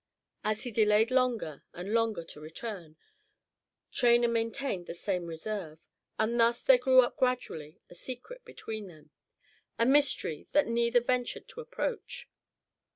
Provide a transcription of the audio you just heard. As he delayed longer and longer to return, Traynor maintained the same reserve, and thus there grew up gradually a secret between them, a mystery that neither ventured to approach.